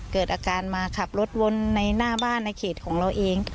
เกิดอาการมาขับรถวนในหน้าบ้านในเขตของเราเอง